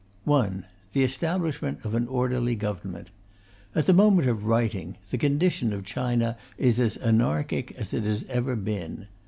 1. The establishment of an orderly government. At the moment of writing, the condition of China is as anarchic as it has ever been.